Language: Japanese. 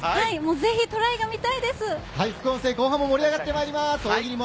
ぜひ、トライが見たいです。